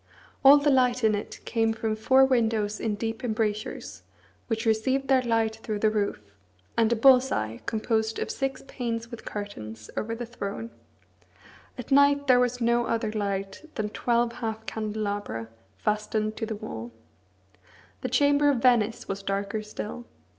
All the light in it came from four windows in deep embrasures, which received their light through the roof, and a bull's eye, composed of six panes with curtains, over the throne. At night there was no other light than twelve half candelabra, fastened to the wall. The chamber of Venice was darker still.